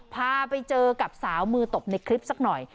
พาไปเจอกับสาวมือตบในคลิปสักหน่อย